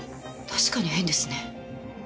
確かに変ですね。